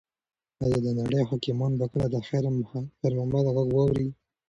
ایا د نړۍ حاکمان به کله د خیر محمد غږ واوري؟